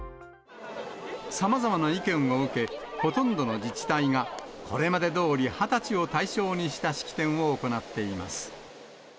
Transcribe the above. さまざまな意見を受け、ほとんどの自治体がこれまでどおり、２０歳を対象した式典を行っています。